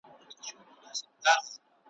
دی مجبور دی شاته نه سي ګرځېدلای ,